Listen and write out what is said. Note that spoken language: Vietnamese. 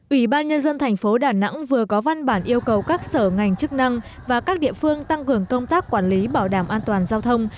ủy ban nhân dân thành phố đà nẵng vừa có văn bản yêu cầu các sở ngành chức năng và các địa phương tăng cường công tác quản lý bảo đảm an toàn giao thông